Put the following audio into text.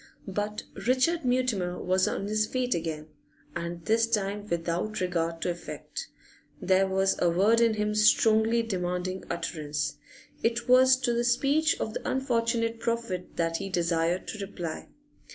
But Richard Mutimer was on his feet again, and this time without regard to effect; there was a word in him strongly demanding utterance. It was to the speech of the unfortunate prophet that he desired to reply.